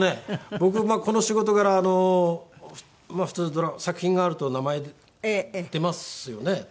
僕この仕事柄あの普通作品があると名前出ますよね。